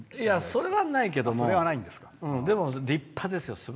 それはないけどもでも、立派ですよ。